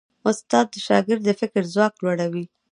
استاد د شاګرد د فکر ځواک لوړوي.